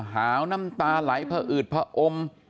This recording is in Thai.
หาวน้ำตาไหลพออืดผอม